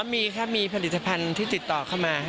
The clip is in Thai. มีครับมีผลิตภัณฑ์ที่ติดต่อเข้ามา